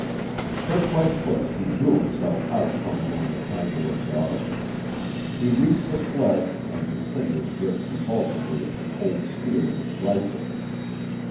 Foot by foot he drew himself out from among the tangle of dogs. He reached the sledge, and his fingers gripped convulsively at the cold steel of his rifle.